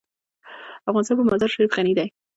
افغانستان په مزارشریف غني دی.